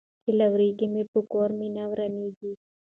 ـ چې لوريږي مې، کور مې نه ورانيږي.